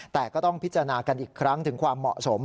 แต่ก็ต้องพิจารณากันอีกครั้งถึงความเหมาะสม